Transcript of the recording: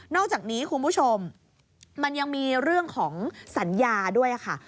อกจากนี้คุณผู้ชมมันยังมีเรื่องของสัญญาด้วยค่ะ